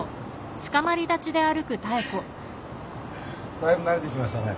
だいぶ慣れてきましたね。